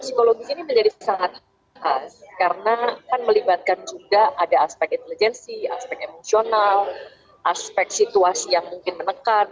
psikologis ini menjadi sangat khas karena kan melibatkan juga ada aspek intelijensi aspek emosional aspek situasi yang mungkin menekan